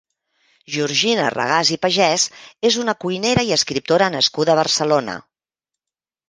Georgina Regàs i Pagès és una cuinera i escriptora nascuda a Barcelona.